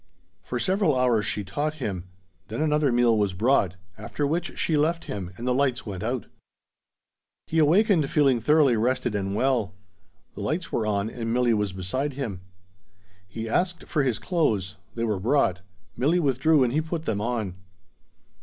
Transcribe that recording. For several hours she taught him. Then another meal was brought, after which she left him, and the lights went out. He awakened feeling thoroughly rested and well. The lights were on and Milli was beside him. He asked for his clothes. They were brought. Milli withdrew and he put them on.